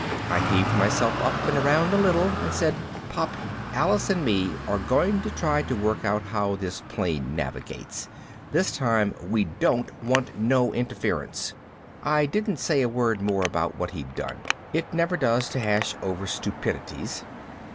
I heaved myself up and around a little and said, "Pop, Alice and me are going to try to work out how this plane navigates. This time we don't want no interference." I didn't say a word more about what he'd done. It never does to hash over stupidities.